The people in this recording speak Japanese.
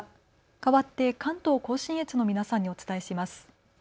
かわって関東甲信越の皆さんにお伝えします。